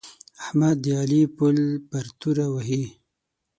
احمد د علي پل پر توره وهي.